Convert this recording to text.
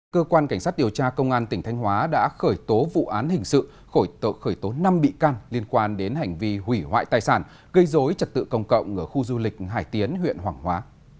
cơ quan cảnh sát điều tra công an tỉnh thanh hóa đã khởi tố vụ án hình sự khởi tố năm bị can liên quan đến hành vi hủy hoại tài sản gây dối trật tự công cộng ở khu du lịch hải tiến huyện hoàng hóa